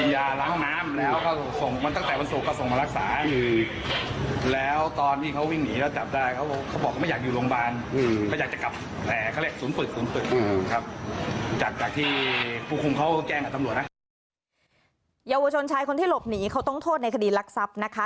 เยาวชนชายคนที่หลบหนีเขาต้องโทษในคดีรักทรัพย์นะคะ